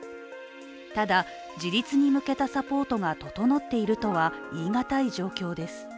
ただ、自立に向けたサポートが整っているとは言い難い状況です。